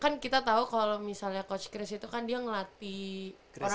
kan kita tahu kalau misalnya coach chris itu kan dia ngelatih